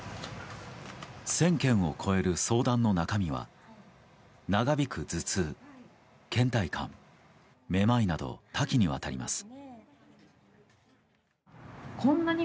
１０００件を超える相談の中身は長引く頭痛、倦怠感、めまいなど多岐にわたります。